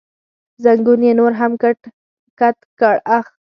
زنګون یې نور هم کت کړ، اخ.